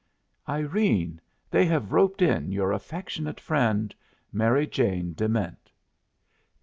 Irene, they have roped in your affectionate friend, MARY JANE DEMENT.